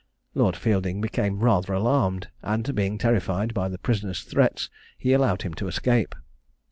Lord Fielding became rather alarmed, and, being terrified by the prisoner's threats, he allowed him to escape.